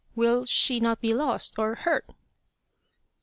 "Will she not be lost, or hurt?"